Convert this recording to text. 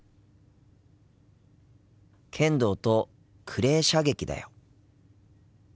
剣道とクレー射撃だよ。